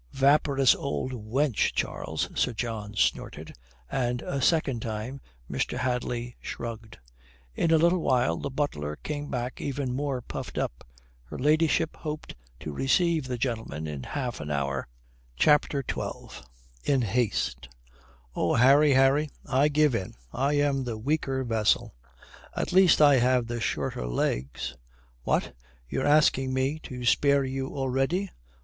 "Vaporous old wench, Charles," Sir John snorted. And a second time Mr. Hadley shrugged. In a little while the butler came back even more puffed up. Her ladyship hoped to receive the gentlemen in half an hour. CHAPTER XII IN HASTE Oh, Harry, Harry, I give in. I am the weaker vessel. At least, I have the shorter legs." "What, you're asking me to spare you already?